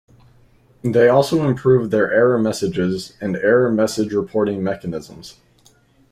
They also improved their error messages and error message reporting mechanisms.